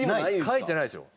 書いてないですよ。